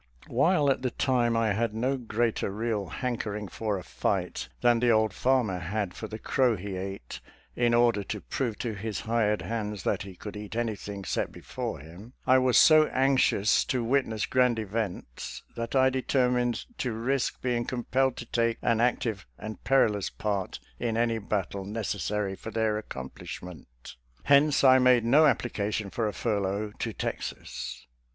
While at the time I had no greater real hanker ing for a fight than the old farmer had for the crow he ate in order to prove to his hired hands that he could eat anything set before him, I was so anxious to witness grand events that I deter mined to risk being compelled to take an active and perilous part in any battle necessary for their accomplishment. Hence, I made no appli cation for a furlough to Texas.